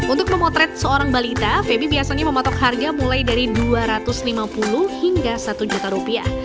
untuk memotret seorang balita febi biasanya mematok harga mulai dari dua ratus lima puluh hingga satu juta rupiah